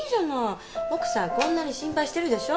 奥さんこんなに心配してるでしょ。